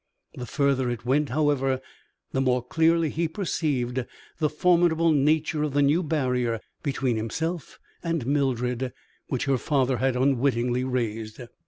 The further it went, however, the more clearly he perceived the formidable nature of the new barrier between himself and Mildred which her father had unwittingly raised.